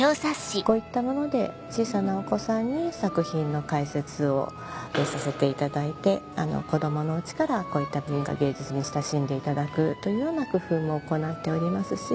こういったもので小さなお子さんに作品の解説をさせていただいて子供のうちからこういった文化芸術に親しんでいただくというような工夫も行っておりますし。